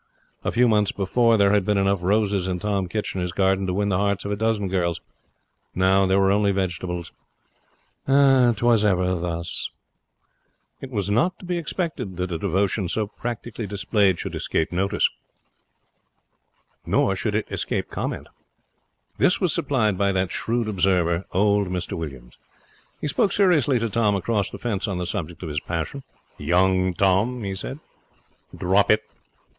A few months before there had been enough roses in Tom Kitchener's garden to win the hearts of a dozen girls. Now there were only vegetables, 'Twas ever thus. It was not to be expected that a devotion so practically displayed should escape comment. This was supplied by that shrewd observer, old Mr Williams. He spoke seriously to Tom across the fence on the subject of his passion. 'Young Tom,' he said, 'drop it.'